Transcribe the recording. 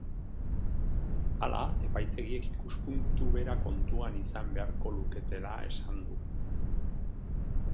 Hala, epaitegiek ikuspuntu bera kontuan izan beharko luketeela esan du.